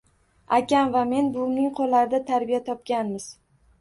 Akam va men buvimning qo`llarida tarbiya topganmiz